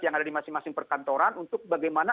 yang ada di masing masing perkantoran untuk bagaimana